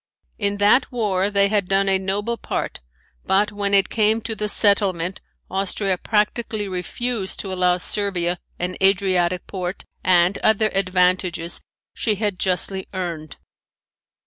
In that war they had done a noble part but when it came to the settlement Austria practically refused to allow Servia an Adriatic port and other advantages she had justly earned.